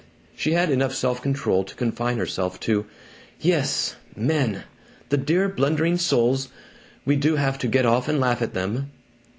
She had enough self control to confine herself to, "Yes. Men! The dear blundering souls, we do have to get off and laugh at them."